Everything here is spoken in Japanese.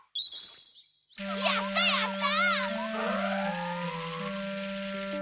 やったやった！